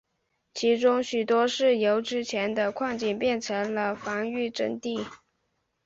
其中许多是由之前的矿井变成了防御阵地。